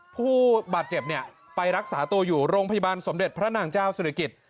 ผู้บาดเจ็บเนี่ยไปรักษาตัวอยู่โรงพยาบาลสมเด็จพระนางเจ้าศิริกิจ